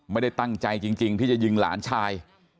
ไม่ได้ตั้งใจจริงที่จะยิงหลานชาย